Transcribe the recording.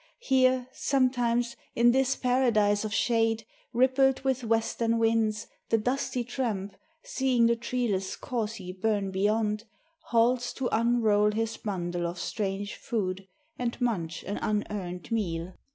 Here, sometimes, in this paradise of shide, Rippled with western winds, the dusty Tramp, Seeing the treeless causey burn beyond, Halts to unroll his bundle of strange food And munch an unearned meal.